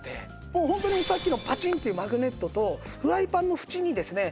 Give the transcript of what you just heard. もうホントにさっきのパチンッていうマグネットとフライパンの縁にですね